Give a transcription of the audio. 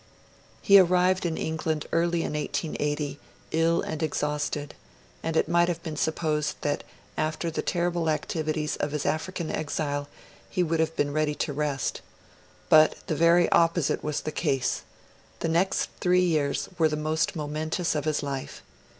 He arrived in England early in 1880 ill and exhausted; and it might have been supposed that after the terrible activities of his African exile he would have been ready to rest. But the very opposite was the case; the next three years were the most momentous of his life.